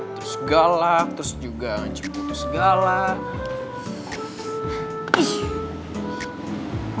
terus galak terus juga ngecebut terus galak